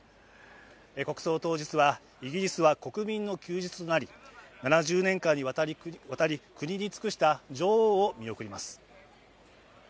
国葬当日はイギリスは国民の休日となり７０年間にわたり国に尽くした女王を見送ります。